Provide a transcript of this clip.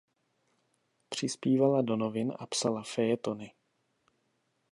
Přispívala do novin a psala fejetony.